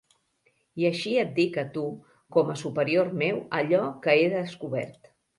I així et dic a tu, com a superior meu, allò que he descobert.